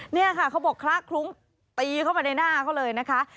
นี่ค่ะเขาบอกคละคลุ้งตีเข้ามาในหน้าเขาเลยนะคะ